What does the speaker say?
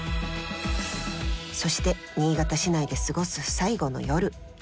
そして新潟市内で過ごす最後の夜。